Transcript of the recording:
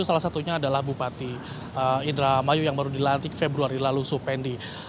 salah satunya adalah bupati indramayu yang baru dilantik februari lalu supendi